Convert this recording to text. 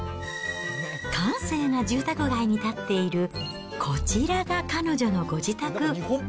閑静な住宅街に建っているこちらが彼女のご自宅。